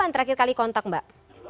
terakhir kali kontak mbak